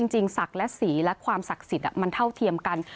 ศักดิ์และสีและความศักดิ์สิทธิ์มันเท่าเทียมกัน